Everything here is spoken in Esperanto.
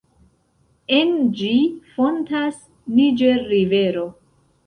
En ĝi fontas Niĝer-rivero.